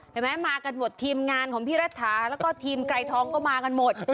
มากันหมดทีมงานของพี่รัฐาแล้วก็ทีมไกรทองก็มากันหมด